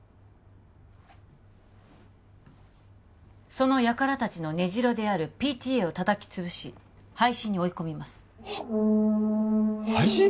その輩達の根城であるＰＴＡをたたきつぶし廃止に追い込みますはっ廃止！？